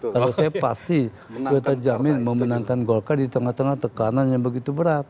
kalau saya pasti sudah terjamin memenangkan golkar di tengah tengah tekanan yang begitu berat